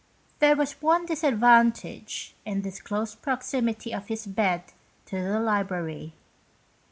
There was one disadvantage in this close proximity of his bed to the library.